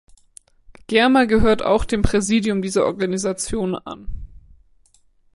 Germer gehörte auch dem Präsidium dieser Organisation an.